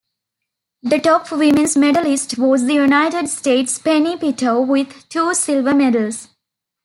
The top women's medalist was the United States' Penny Pitou with two silver medals.